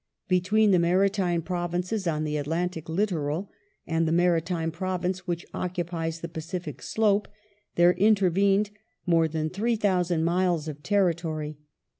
Between the Mai'itime Provinces on the Atlantic littoral tion, 1870 and the Maritime Province which occupies the Pacific slope there intervened more than 3,000 miles of territory.